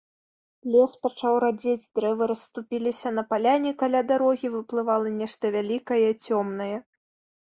Лес пачаў радзець, дрэвы расступіліся, на паляне каля дарогі выплывала нешта вялікае, цёмнае.